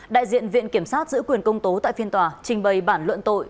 đại diện viện kiểm sát giữ quyền công tố tại phiên tòa trình bày bản luận tội